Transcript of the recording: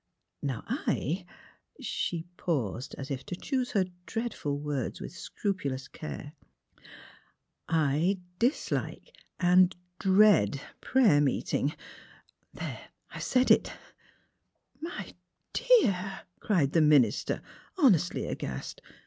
Now I " She paused, as if to choose her dreadful words with scrupulous care. ^' I — dislike and — dread — prayer meeting. There! I've said it! "'' My dear! " cried the minister, honestly aghast.